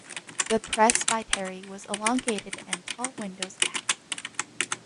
The presbytery was elongated and tall windows added.